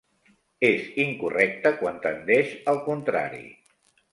És incorrecta quan tendeix al contrari.